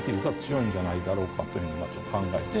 んじゃないだろうかというふうに考えて。